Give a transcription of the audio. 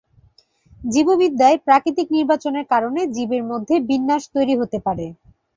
জীববিদ্যায় প্রাকৃতিক নির্বাচনের কারণে জীবের মধ্যে বিন্যাস তৈরি হতে পারে।